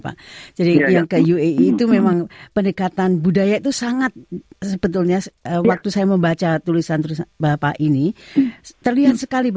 kedua rumput itu mahal sekali